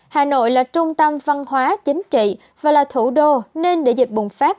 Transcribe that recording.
hà nội là trung tâm văn hóa chính trị và là thủ đô nên để dịch bùng phát